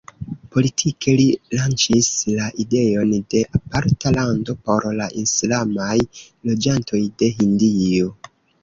Politike li lanĉis la ideon de aparta lando por la islamaj loĝantoj de Hindio.